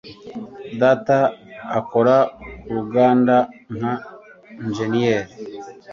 Data akora ku ruganda nka injeniyeri.